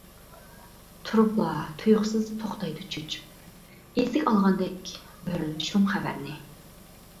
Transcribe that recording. تۇرۇپلا تۇيۇقسىز توختايدۇ چۆچۈپ، ئېسىگە ئالغاندەك بىر شۇم خەۋەرنى.